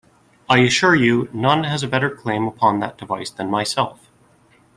I assure you, none has a better claim upon that device than myself.